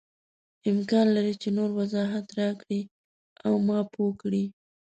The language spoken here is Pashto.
امکان لري چې نور وضاحت راکړې او ما پوه کړې.